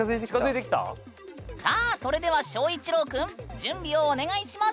さあそれでは翔一郎くん準備をお願いします。